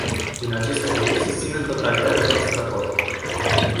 Din acest motiv, susțin în totalitate acest raport.